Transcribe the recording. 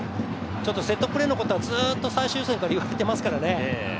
ちょっとセットプレーのことはずっと最終予選から言ってますけどね